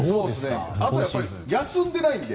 あと、休んでいないので。